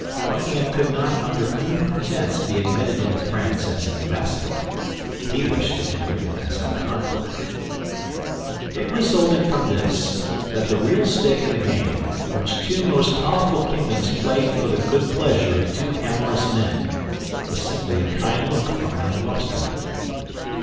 Buckingham could not under any pretense be admitted into France as an ambassador; he wished to enter it as a conqueror. It resulted from this that the real stake in this game, which two most powerful kingdoms played for the good pleasure of two amorous men, was simply a kind look from Anne of Austria.